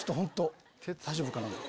大丈夫かな？